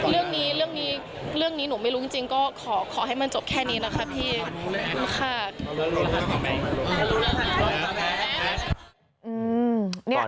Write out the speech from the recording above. เรื่องนี้หนูไม่รู้จริงก็ขอให้มันจบแค่นี้นะคะพี่